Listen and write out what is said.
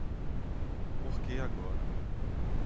Porque agora